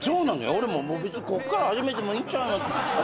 俺もこっから始めてもいいんちゃうのって。